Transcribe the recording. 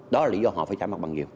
đó là lý do họ phải trả mặt bằng nhiều